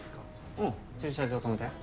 うん駐車場止めたよ